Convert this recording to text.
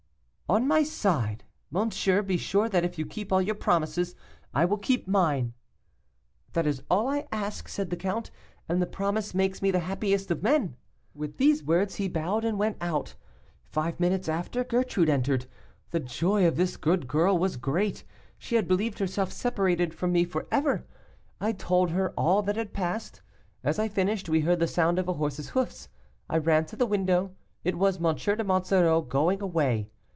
'On my side! monsieur, be sure that if you keep all your promises, I will keep mine.' 'That is all I ask,' said the count, 'and the promise makes me the happiest of men.' "With these words, he bowed and went out. Five minutes after, Gertrude entered. The joy of this good girl was great; she had believed herself separated from me forever. I told her all that had passed. As I finished, we heard the sound of a horse's hoofs. I ran to the window; it was M. de Monsoreau going away.